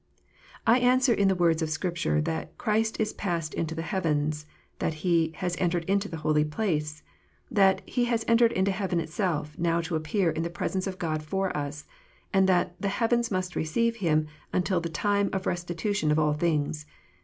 I answer in the words of Scripture, that "Christ is passed into the heavens," that He "has entered into the holy place," that " He has entered into heaven itself, now to appear in the presence of God for us," and that "the heavens must receive Him until the time of restitution of all things."